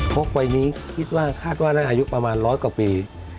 วัยนี้คิดว่าคาดว่าน่าจะอายุประมาณร้อยกว่าปี